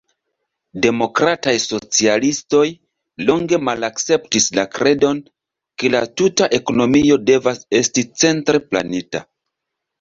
Demokrataj socialistoj longe malakceptis la kredon, ke la tuta ekonomio devas esti centre planita.